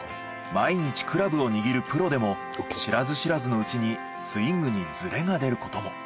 毎日クラブを握るプロでも知らず知らずのうちにスイングにズレが出ることも。